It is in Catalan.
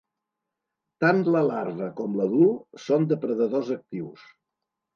Tant la larva com l'adult són depredadors actius.